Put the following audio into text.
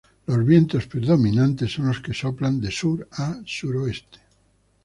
Los vientos predominantes son los que soplan de sur a suroeste.